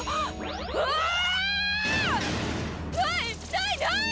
ないない！